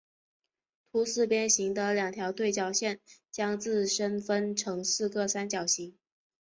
凸四边形的两条对角线将自身分成四个三角形。